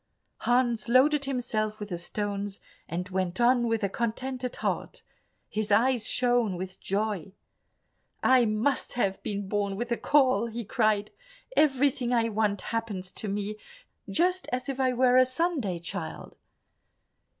Hans loaded himself with the stones, and went on with a contented heart; his eyes shone with joy. "I must have been born with a caul," he cried; "everything I want happens to me just as if I were a Sunday child."